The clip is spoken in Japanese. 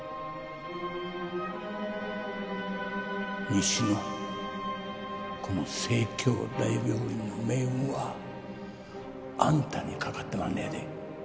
西のこの西京大病院の命運はあんたにかかってまんのやで。